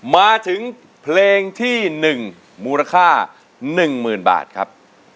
มาถึงเพลงที่๑มูลค่า๑๐๐๐บาทครับ